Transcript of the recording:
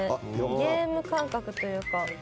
ゲーム感覚というか。